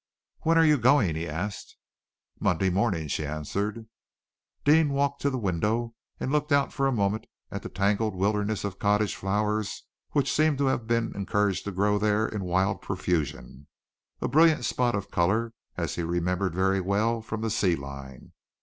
"When are you going?" he asked. "Monday morning," she answered. Deane walked to the window, and looked out for a moment at the tangled wilderness of cottage flowers, which seemed to have been encouraged to grow there in wild profusion a brilliant spot of color, as he remembered very well, from the sea line.